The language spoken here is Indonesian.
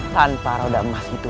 tanpa roda emas itu